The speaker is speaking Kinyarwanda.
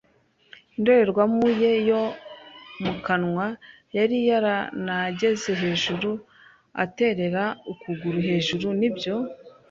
indorerwamo ye mu kanwa, yari yaranageze hejuru aterera ukuguru hejuru. Nibyo,